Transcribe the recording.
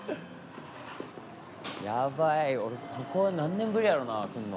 やばい俺ここ何年ぶりやろうな来んの。